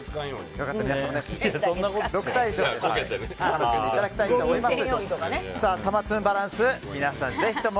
よかったら皆さんも楽しんでいただきたいと思います。